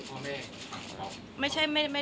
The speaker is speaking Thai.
แต่ขวัญไม่สามารถสวมเขาให้แม่ขวัญได้